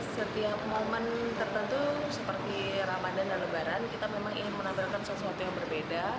setiap momen tertentu seperti ramadan dan lebaran kita memang ingin menampilkan sesuatu yang berbeda